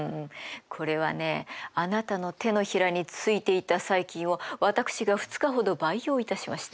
これはねあなたの手のひらについていた細菌を私が２日ほど培養いたしました。